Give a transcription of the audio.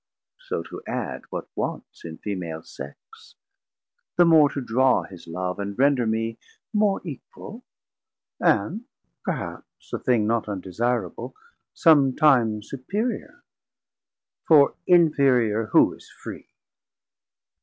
so to add what wants In Femal Sex, the more to draw his Love, And render me more equal, and perhaps A thing not undesireable, somtime Superior; for inferior who is free?